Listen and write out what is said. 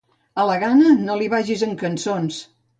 A la gana no li vagis amb cançons.